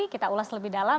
kita ulas lebih dalam